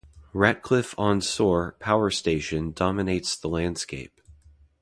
Ratcliffe-on-Soar Power Station dominates the landscape.